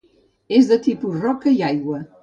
És de tipus roca i aigua.